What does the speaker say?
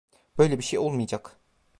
Böyle bir şey olmayacak.